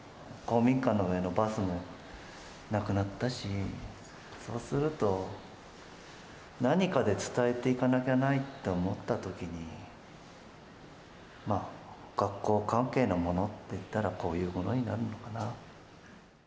公民館の上のバスもなくなったし、そうすると、何かで伝えていかなきゃいけないと思ったときに、学校関係のものっていったら、こういうものになるのかな。